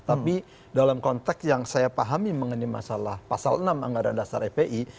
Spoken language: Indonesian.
tapi dalam konteks yang saya pahami mengenai masalah pasal enam anggaran dasar fpi